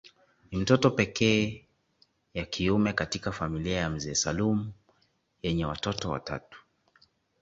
Ni mtoto pekee ya kiume katika familia ya mzee Salum yenye watoto watatu